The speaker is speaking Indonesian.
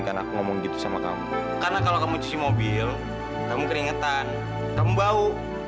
kan aku ngomong gitu sama kamu karena kalau kamu istimewa bingung kamu keringetan kamu bau